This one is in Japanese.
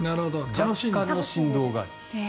若干の振動がある。